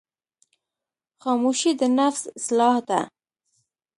خاموشي، د نفس اصلاح ده.